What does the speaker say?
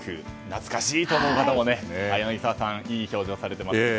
懐かしいと思う方も柳澤さん、いい表情されてますね。